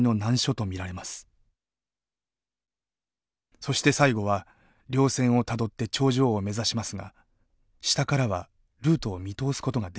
そして最後は稜線をたどって頂上を目指しますが下からはルートを見通すことができません。